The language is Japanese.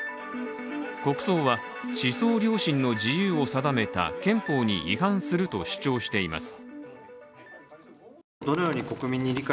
国葬は思想良心の自由を定めた憲法に違反すると主張しています。